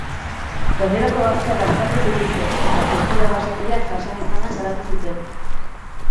Gainerako gazteak askatu zituzten, eta tortura basatiak jasan izana salatu zuten.